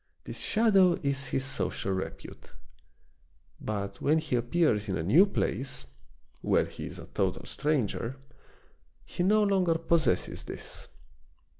This shadow is his social repute. But when he appears in a new place, where he is a total stranger, he no longer pos sesses this.